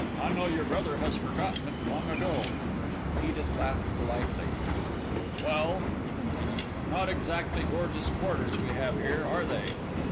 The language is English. I know your brother has forgotten it long ago." Edith laughed politely. "Well," he continued, "not exactly gorgeous quarters we have here, are they?"